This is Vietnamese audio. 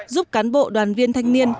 giúp cán bộ đoàn viên thanh niên